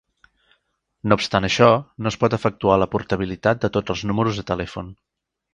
No obstant això, no es pot efectuar la portabilitat de tots els números de telèfon.